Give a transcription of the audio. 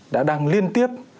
đã đang liên tiếp